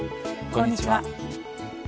こんにちは。